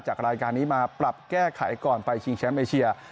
รายการนี้มาปรับแก้ไขก่อนไปชิงแชมป์เอเชีย